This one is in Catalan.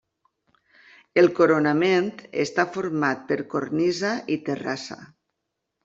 El coronament està format per cornisa i terrassa.